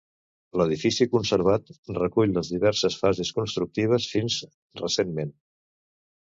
L'edifici conservat recull les diverses fases constructives fins recentment.